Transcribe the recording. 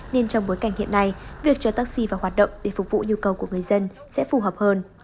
nên trong bối cảnh hiện nay việc cho taxi vào hoạt động để phục vụ nhu cầu của người dân sẽ phù hợp hơn